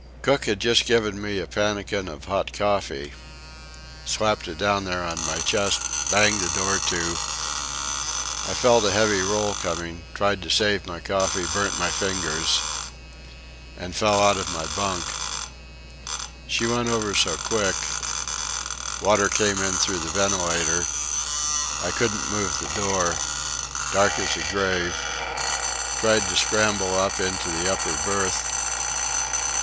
"Cook had just given me a pannikin of hot coffee.... Slapped it down there, on my chest banged the door to.... I felt a heavy roll coming; tried to save my coffee, burnt my fingers... and fell out of my bunk.... She went over so quick.... Water came in through the ventilator.... I couldn't move the door... dark as a grave... tried to scramble up into the upper berth....